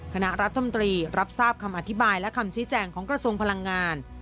คณะรัฐมนตรีรับทราบคำอธิบายและคำชี้แจงของกระทรวงพลังงาน